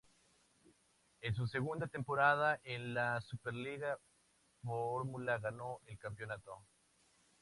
En su segunda temporada en la Superleague Formula ganó el campeonato.